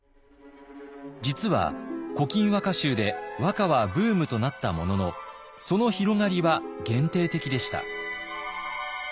実は「古今和歌集」で和歌はブームとなったもののその広がりは限定的でした。